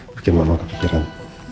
bikin mama ke pikiran